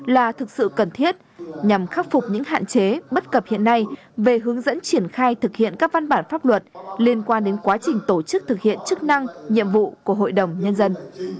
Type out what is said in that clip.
là thực sự cần thiết nhằm khắc phục những hạn chế bất cập hiện nay về hướng dẫn triển khai thực hiện các văn bản pháp luật liên quan đến quá trình tổ chức thực hiện chức năng nhiệm vụ của hội đồng nhân dân